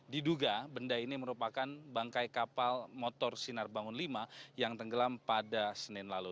diduga benda ini merupakan bangkai kapal motor sinar bangun v yang tenggelam pada senin lalu